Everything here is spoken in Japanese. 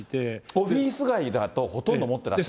オフィス街だとほとんど持ってないから。